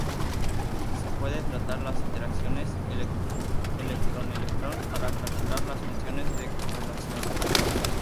Se pueden tratar las interacciones electrón-electrón para calcular las funciones de correlación.